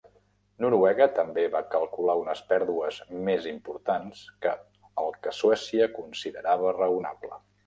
Noruega també va calcular unes pèrdues més importants que el que Suècia considerava raonable.